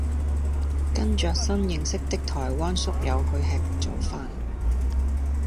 跟著新認識的台灣宿友去吃早飯